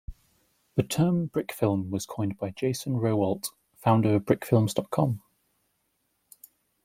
The term 'brick film' was coined by Jason Rowoldt, founder of Brickfilms.com.